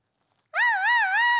あ！あ！」。